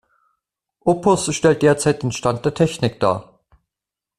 Opus stellt derzeit den Stand der Technik dar.